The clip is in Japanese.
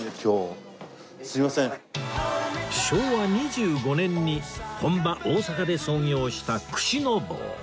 昭和２５年に本場大阪で創業した串の坊